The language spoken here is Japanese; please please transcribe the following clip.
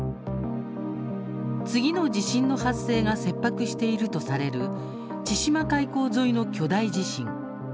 次の地震の発生が切迫しているとされる千島海溝沿いの巨大地震。